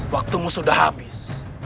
waktumu sudah habis